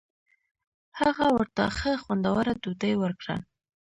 هغه ورته ښه خوندوره ډوډۍ ورکړه.